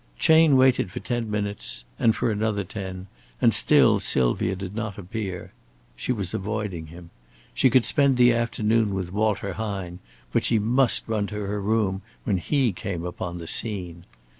Chayne waited for ten minutes, and for another ten, and still Sylvia did not appear. She was avoiding him. She could spend the afternoon with Walter Hine, but she must run to her room when he came upon the scene.